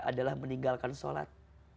adalah meninggalkan sholat